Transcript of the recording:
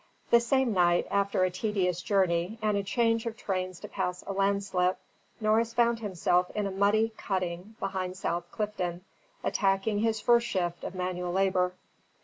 The same night, after a tedious journey, and a change of trains to pass a landslip, Norris found himself in a muddy cutting behind South Clifton, attacking his first shift of manual labour.